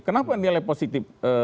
kenapa nilai positif